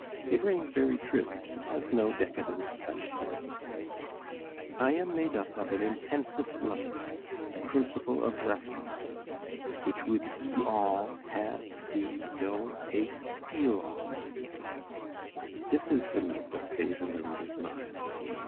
It rings very true, and has no decadent touch in it: "I am made up of an intensest life ... a principle of restlessness Which would be all, have, see, know, taste, feel, all " this is the note that stays in the reader's mind.